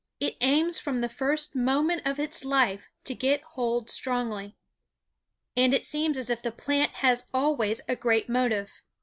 It aims from the first moment of its life to get hold strongly. And it seems as if the plant has always a great motive.